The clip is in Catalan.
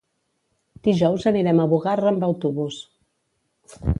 Dijous anirem a Bugarra amb autobús.